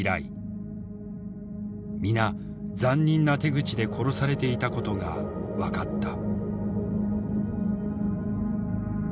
皆残忍な手口で殺されていたことが分かった。